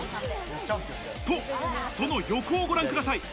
と、その横をご覧ください。